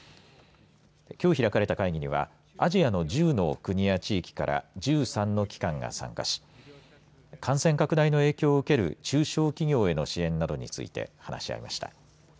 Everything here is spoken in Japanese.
きょう開かれた会議にはアジアの１０の国や地域から１３の機関が参加し感染拡大の影響を受ける中小企業への支援などについて話し合いました。